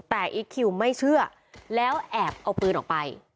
แต่อีคคิวไม่เชื่อแล้วแอบเอาปืนออกไป